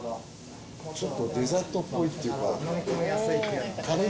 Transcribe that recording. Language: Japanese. ちょっとデザートっぽいっていうか。